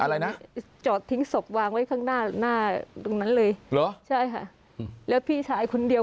อะไรนะจอดทิ้งศพวางไว้ข้างหน้าหน้าตรงนั้นเลยเหรอใช่ค่ะแล้วพี่ชายคนเดียว